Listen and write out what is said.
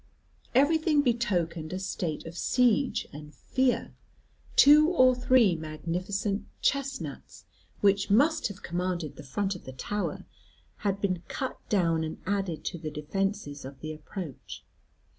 Everything betokened a state of siege and fear. Two or three magnificent chesnuts, which must have commanded the front of the tower, had been cut down and added to the defences of the approach.